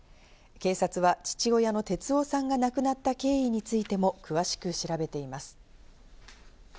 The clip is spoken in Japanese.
警察は父親の哲男さんが亡くなった経緯についても詳しく調べています。